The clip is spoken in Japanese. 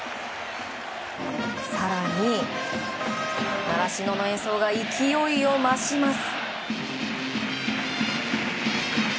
更に、習志野の演奏が勢いを増します。